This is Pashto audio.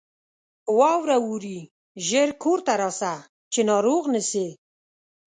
واوره اوري ! ژر کورته راسه ، چې ناروغ نه سې.